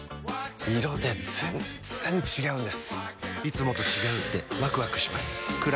色で全然違うんです！